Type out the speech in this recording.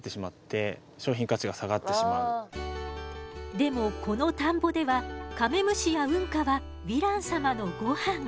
でもこの田んぼではカメムシやウンカはヴィラン様のごはん。